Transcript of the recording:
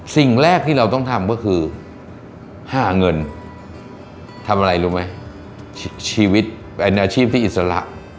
สิ่งแรกที่เราต้องทำก็คือหาเงินทำอะไรรู้ไหมชีวิตเป็นอาชีพที่อิสระ